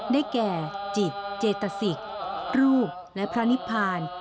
ได้แก่จิตเจตสิกรูปและพระนิพพาน